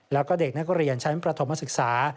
แล้วก็เด็กนักเรียนชั้นประถมศึกษา